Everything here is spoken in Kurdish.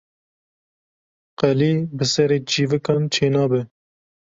Qelî bi serê çîvikan çê nabe